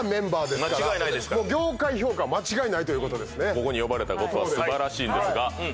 ここに呼ばれたことは素晴らしいんですが。